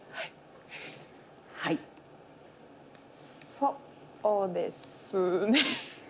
そうですね。